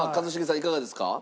いかがですか？